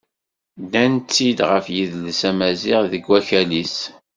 Ddan-tt-id ɣef yidles amaziɣ deg akal-is.